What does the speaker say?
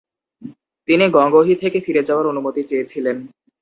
তিনি গঙ্গোহি থেকে ফিরে যাওয়ার অনুমতি চেয়েছিলেন।